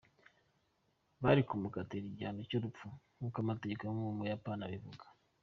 bari kumukatira igihano cyurupfu nkuko amategeko yo mu Buyapani abivuga.